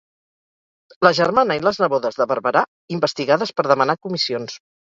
La germana i les nebodes de Barberá investigades per demanar comissions.